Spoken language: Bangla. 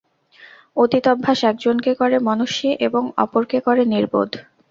অতীত অভ্যাস একজনকে করে মনস্বী এবং অপরকে করে নির্বোধ।